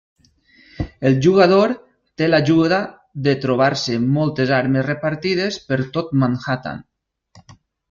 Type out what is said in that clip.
El jugador té l'ajuda de trobar-se moltes armes repartides per tot Manhattan.